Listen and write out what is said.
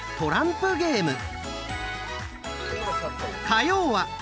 火曜は！